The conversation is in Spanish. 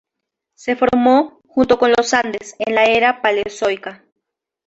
Se formó, junto con los Andes, en la era Paleozoica.